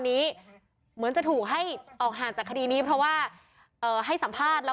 นี้เหมือนจะถูกให้ออกห่างจากคดีนี้เพราะว่าเอ่อให้สัมภาษณ์แล้ว